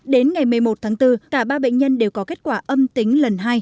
đến ngày một mươi một tháng bốn cả ba bệnh nhân đều có kết quả âm tính lần hai